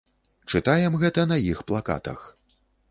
Чытаем гэта на іх плакатах!